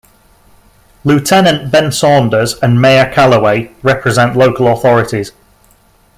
Lieutenant Ben Saunders and mayor Calloway represent local authorities.